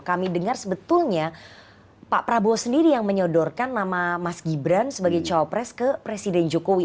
kami dengar sebetulnya pak prabowo sendiri yang menyodorkan nama mas gibran sebagai cowok pres ke presiden jokowi